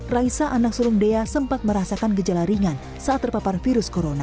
raisa anak sulung dea sempat merasakan gejala ringan saat terpapar virus corona